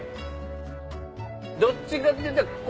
どっちかっていったら。